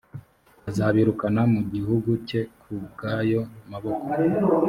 azabirukana mu gihugu cye ku bw ayo maboko